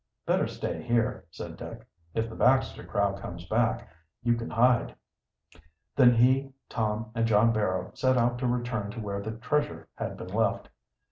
"Better stay here," said Dick. "If the Baxter crowd comes back, you can hide." Then he, Tom, and John Barrow set out to return to where the treasure had been left.